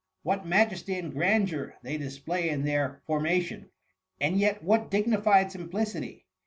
What ma jesty and grandeur they display in their forma THE MUMMY. 191 * tion, and yet what dignified simplicity